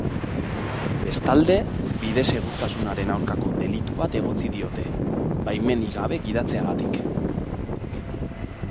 Bestalde, bide segurtasunaren aurkako delitu bat egotzi diote, baimenik gabe gidatzeagatik.